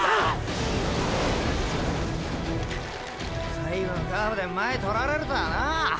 最後のカーブで前取られるとはな。